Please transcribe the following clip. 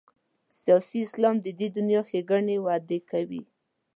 سیاسي اسلام د دې دنیا ښېګڼې وعدې کوي.